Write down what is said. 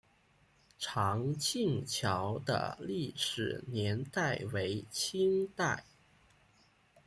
长庆桥的历史年代为清代。